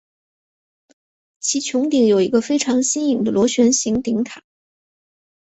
其穹顶有一个非常新颖的螺旋形顶塔。